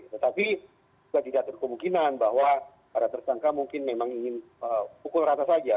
tetapi juga tidak terkemungkinan bahwa para tersangka mungkin memang ingin pukul rata saja